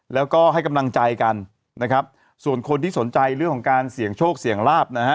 แล้วก็ให้กำลังใจกันนะครับส่วนคนที่สนใจเรื่องของการเสี่ยงโชคเสี่ยงลาบนะฮะ